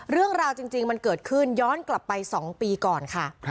เรื่องราวจริงมันเกิดขึ้นย้อนกลับไป๒ปีก่อนค่ะ